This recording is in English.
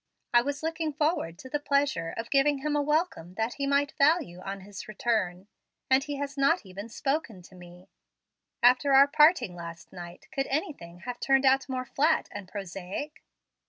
I was looking forward to the pleasure of giving him a welcome that he might value on his return, and he has not even spoken to me. After our parting last night could anything have turned out more flat and prosaic?"